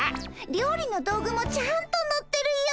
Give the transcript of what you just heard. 料理の道具もちゃんと乗ってるよ。